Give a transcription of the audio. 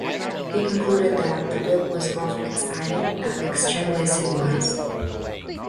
He concluded that the book was "both exciting and extremely civilized".